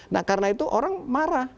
nah karena itu orang marah